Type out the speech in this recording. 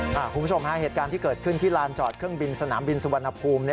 คุณผู้ชมฮะเหตุการณ์ที่เกิดขึ้นที่ลานจอดเครื่องบินสนามบินสุวรรณภูมิ